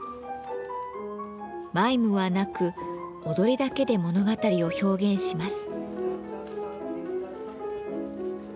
マイムはなく踊りだけで物語を表現します。